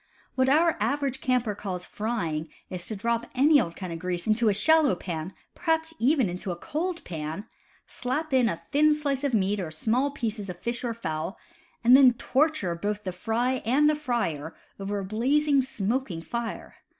What our average camper calls "frying" is to drop any old kind of grease into a shallow pan (perhaps even into a cold pan!), slap in a thin slice of meat, or small pieces of fish or fowl, and then torture both the fry and the frier over a blazing, smoking fire.